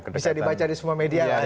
bisa dibaca di semua media